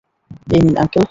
এই নিন, আঙ্কেল।